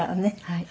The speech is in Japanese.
はい。